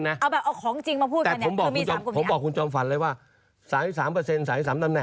ก็จะเป็นคุณนายตัวจริงหรือคุณนายเล็กอย่างนี้